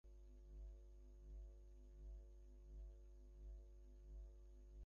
Roman ক্যাথলিকরা গভীর ও আধ্যাত্মিক, কিন্তু উদারতা হারাইয়াছে।